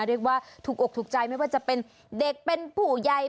เรียกว่าถูกอกถูกใจไม่ว่าจะเป็นเด็กเป็นผู้ใหญ่